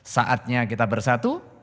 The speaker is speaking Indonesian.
saatnya kita bersatu